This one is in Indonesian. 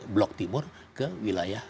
blog timur ke wilayah